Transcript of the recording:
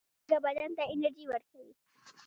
مالګه بدن ته انرژي ورکوي.